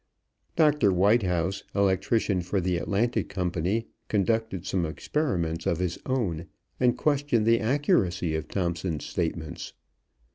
Doctor Whitehouse, electrician for the Atlantic Company, conducted some experiments of his own and questioned the accuracy of Thomson's statements.